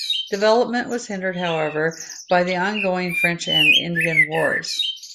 Development was hindered, however, by the ongoing French and Indian Wars.